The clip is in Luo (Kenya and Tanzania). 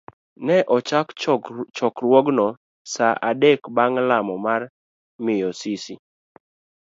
Ne ochak chokruogno sa adek bang' lamo mar miyo Sisi.